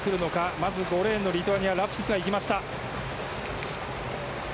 まず５レーン、リトアニアのラプシスがいきました。